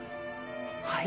はい？